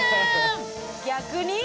逆に？